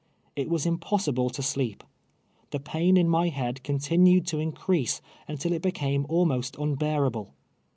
It was impossible to slee}). The i)aiu in my head continued to increase, until it became almost unbearable.